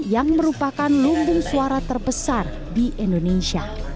yang merupakan lumbung suara terbesar di indonesia